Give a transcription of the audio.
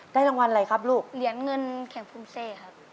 รางวัลอะไรครับลูกเหรียญเงินแข่งภูมิเซครับ